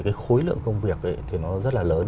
cái khối lượng công việc ấy thì nó rất là lớn